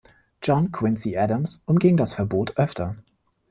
John Quincy Adams umging das Verbot öfter.